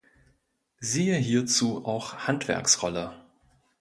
Siehe hierzu auch Handwerksrolle.